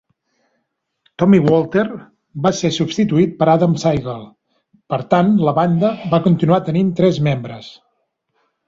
Tommy Walter va ser substituït per Adam Siegel, per tant la banda va continuar tenint tres membres.